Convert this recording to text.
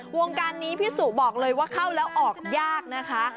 วงการนี้พี่สุบอกเลยว่าเข้าแล้วออกยากนะคะ